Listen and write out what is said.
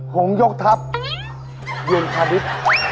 โหงยกทับเยินคาดิบ